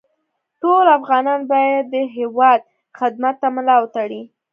ټول افغانان باید د هېواد خدمت ته ملا وتړي